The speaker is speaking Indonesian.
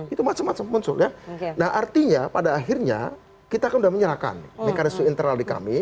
itu macam macam muncul ya nah artinya pada akhirnya kita kan sudah menyerahkan mekanisme internal di kami